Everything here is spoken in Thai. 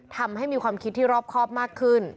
ทำให้มีความคิดที่รอบครอบมากขึ้น